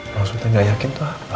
maksudnya gak yakin itu apa